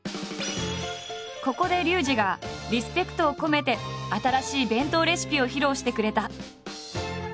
ここでリュウジがリスペクトを込めて新しい弁当レシピを披露してくれた。